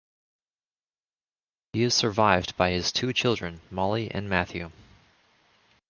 He is survived by his two children, Molly and Matthew.